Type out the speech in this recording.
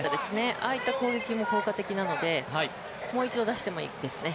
ああいった攻撃も効果的なのでもう一度出してもいいですね。